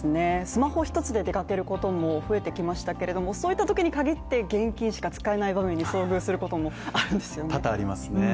スマホ一つで出かけることも増えてきましたけれどもそういったときにかぎって現金しか使えない場面に遭遇することもあるんですよね。